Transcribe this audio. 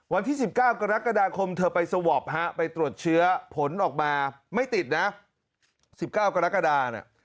วันที่๑๙กรกฎาคมเธอไปสวอปไปตรวจเชื้อผลออกมาไม่ติดนะ๑๙กรกฎานะ